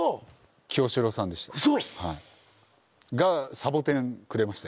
サボテンくれました。